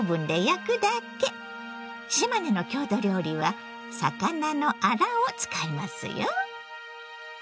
島根の郷土料理は「魚のあら」を使いますよ！